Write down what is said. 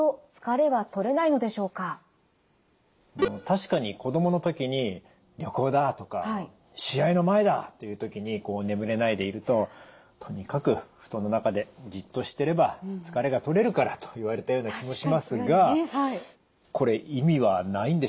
確かに子供の時に「旅行だ」とか「試合の前だ」という時に眠れないでいると「とにかく布団の中でじっとしてれば疲れがとれるから」と言われたような気もしますがこれ意味はないんでしょうか？